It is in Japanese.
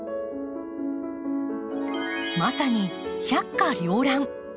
まさに百花繚乱。